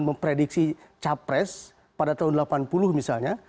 memprediksi capres pada tahun seribu sembilan ratus delapan puluh misalnya